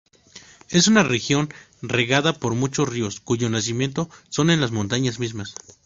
Es una región regada por muchos ríos cuyo nacimiento son en las montañas mismas.